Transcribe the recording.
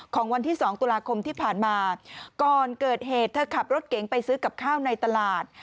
ของวันที่๒ตุลาคมที่ผ่านมาก่อนเกิดเหตุเธอขับรถเก๋งไปซื้อกับข้าวในตลาด